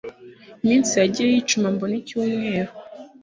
Iminsi yagiye yicuma mbona ucyumweru